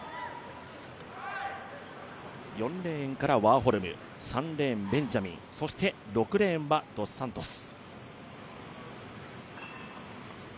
４レーンからワーホルム３レーン、ベンジャミンそして６レーンはドス・サントス。